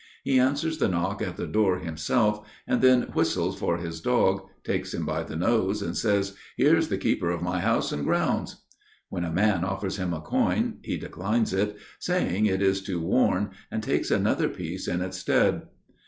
He answers the knock at the door himself and then whistles for his dog, takes him by the nose, and says: "Here's the keeper of my house and grounds!" When a man offers him a coin he declines it, saying it is too worn, and takes another piece in its stead.